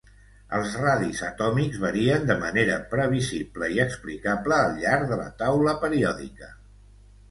Els radis atòmics varien de manera previsible i explicable al llarg de la taula periòdica.